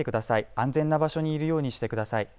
安全な場所にいるようにしてください。